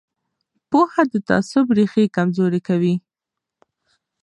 پوهه د تعصب ریښې کمزورې کوي